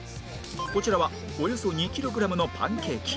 こちらはおよそ２キログラムのパンケーキ